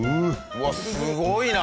うわっすごいな。